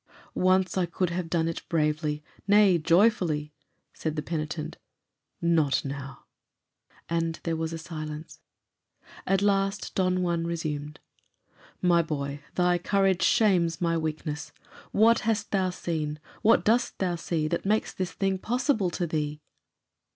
"Once I could have done it bravely, nay, joyfully," said the penitent. "Not now." And there was a silence. At last Don Juan resumed, "My boy, thy courage shames my weakness. What hast thou seen, what dost thou see, that makes this thing possible to thee?"